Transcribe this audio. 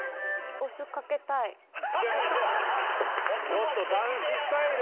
ちょっと談志スタイル！